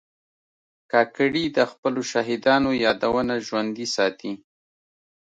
کاکړي د خپلو شهیدانو یادونه ژوندي ساتي.